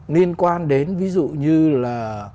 liên quan đến ví dụ như là